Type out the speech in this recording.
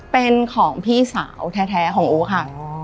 เป็นของพี่สาวแท้ของอู๋ค่ะ